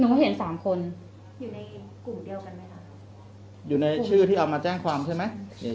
มียูทูปเบอร์หลายคนไหมคะที่รีวิว